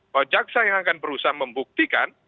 bahwa jaksa yang akan berusaha membuktikan